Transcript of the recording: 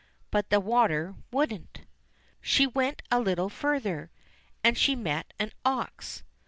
But the water wouldn't. She went a little further, and she met an ox.